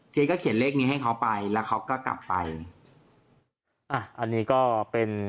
เขียนเลขนี้ให้เขาไปแล้วเขาก็กลับไปอ่ะอันนี้ก็เป็น